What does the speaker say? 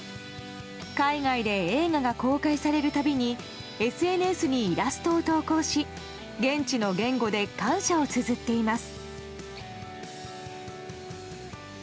海外で映画が公開されるたびにＳＮＳにイラストを投稿し現地の言語で感謝をつづっています。